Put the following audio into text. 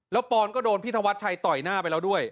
แล้วปอนก็โดนพี่ธวัดชัยต่อยหน้าไปแล้วด้วย